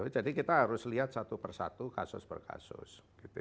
jadi kita harus lihat satu per satu kasus per kasus